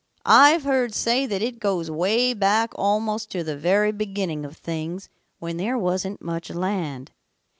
I've heard say that it goes way back almost to the very beginning of things when there wasn't much land.